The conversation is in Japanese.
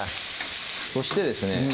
そしてですね